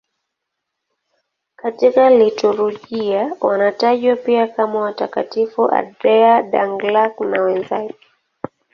Katika liturujia wanatajwa pia kama Watakatifu Andrea Dũng-Lạc na wenzake.